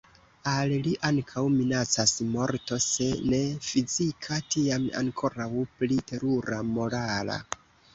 Al li ankaŭ minacas morto, se ne fizika, tiam ankoraŭ pli terura morala.